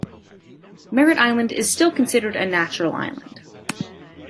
Merritt Island is still considered a natural island.